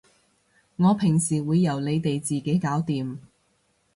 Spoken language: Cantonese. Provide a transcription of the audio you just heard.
我平時會由你哋自己搞掂